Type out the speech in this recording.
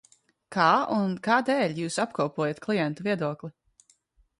Kā un kādēļ jūs apkopojat klientu viedokli?